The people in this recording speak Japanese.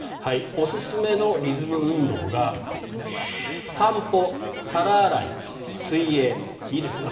おすすめのリズム運動が散歩、皿洗い、水泳いいですね